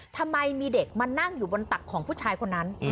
ทำไมมีเด็กมานั่งอยู่บนตักของผู้ชายคนนั้น